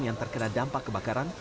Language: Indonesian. yang terkena dampak kebakaran